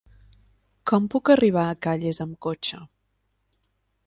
Com puc arribar a Calles amb cotxe?